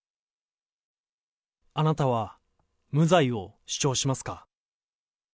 あなたは無罪を主張しますか。